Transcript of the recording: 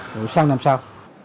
rồi xem làm sao